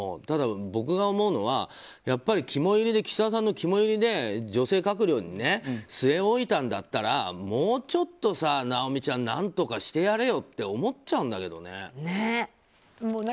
ただ僕が思うのはやっぱり岸田さんの肝煎りで女性閣僚に据え置いたんだったらもうちょっと、尚美ちゃん何とかしてやれよって思っちゃうんだけどね。